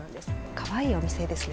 かわいいお店ですね。